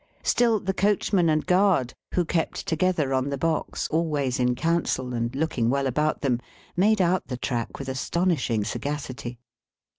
Still the coachman and guard who kept together on the box, always in council, and looking well about them made out the track with astonishing sagacity.